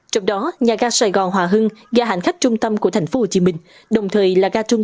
trong đó nhà ga sài gòn hòa hưng ga hành khách trung tâm của tp hcm đồng thời là ga trung